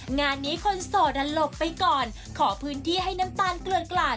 งานนี้คนโสดอ่ะหลบไปก่อนขอพื้นที่ให้น้ำตาลเกลือนกลาด